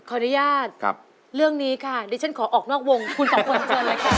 ขออนุญาตเรื่องนี้ค่ะเดี๋ยวฉันขอออกนอกวงคุณสองคนเจอกันแหละค่ะ